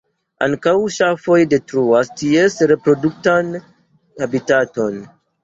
Ankaŭ ŝafoj detruas ties reproduktan habitaton.